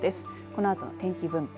このあとの天気分布